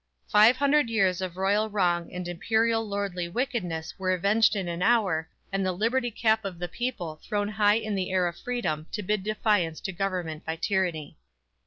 Five hundred years of royal wrong and imperial lordly wickedness were avenged in an hour, and the liberty cap of the people thrown high in the air of freedom to bid defiance to government by tyranny.